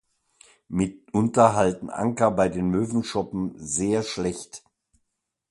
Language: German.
Mitunter halten Anker bei den Möwenschoppen sehr schlecht.